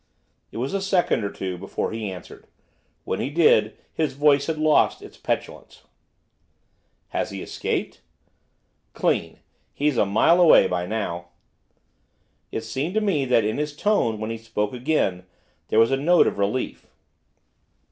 It was a second or two before he answered. When he did, his voice had lost its petulance. 'Has he escaped?' 'Clean, he's a mile away by now.' It seemed to me that in his tone, when he spoke again, there was a note of relief.